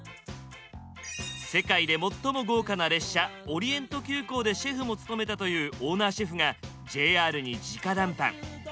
世界で最も豪華な列車オリエント急行でシェフも務めたというオーナーシェフがＪＲに直談判。